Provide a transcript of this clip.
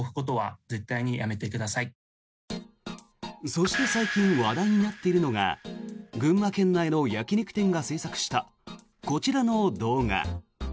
そして最近、話題になっているのが群馬県内の焼き肉店が制作したこちらの動画。